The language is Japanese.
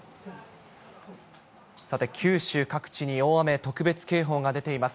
さて、九州各地に大雨特別警報が出ています。